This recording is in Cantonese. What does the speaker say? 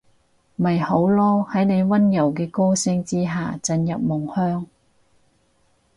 咪好囉，喺你溫柔嘅歌聲之下進入夢鄉